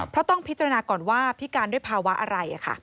เพราะต้องพิจารณาก่อนว่าพิการด้วยภาวะอะไร